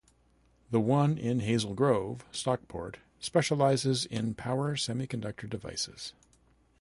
The one in Hazel Grove, Stockport specializes in power semiconductor devices.